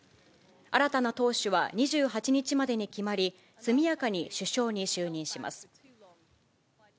新たな党首は２８日までに決まり、速やかに首相に就任します。